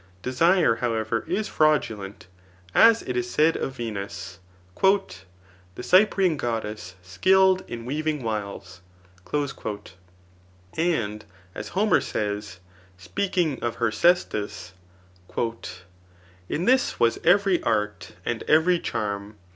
Desire^ however, is fraudulent, as it is said of Venus, Tlae Cyprian goddess, skill'd in weaving wiles.' And as Homer says, [speaking of her cestus, J In this was every art, and every charm.